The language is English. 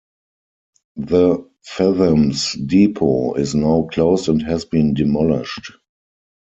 The Feethams depot is now closed and has been demolished.